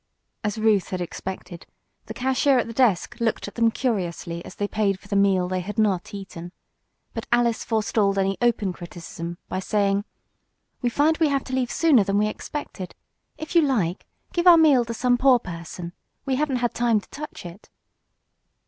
As Ruth had expected, the cashier at the desk looked at them curiously as they paid for the meal they had not eaten. But Alice forestalled any open criticism by saying: "We find we have to leave sooner than we expected. If you like, give our meal to some poor person. We haven't had time to touch it."